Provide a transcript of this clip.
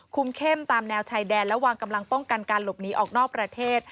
เข้มตามแนวชายแดนและวางกำลังป้องกันการหลบหนีออกนอกประเทศ